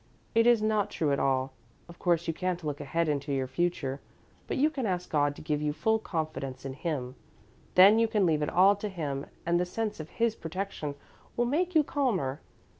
It is not true at all. Of course you can't look ahead into your future, but you can ask God to give you full confidence in Him. Then you can leave it all to Him, and the sense of His protection will make you calmer.